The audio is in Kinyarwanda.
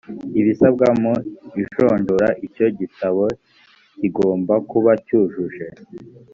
ibisabwa mu ijonjora icyo gitabo kigomba kuba cyujuje